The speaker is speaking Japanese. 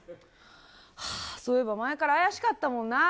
そういえば前から怪しかったもんなあ。